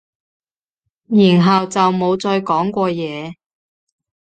然後就冇再講過嘢